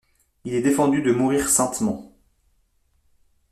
Il est défendu de mourir saintement.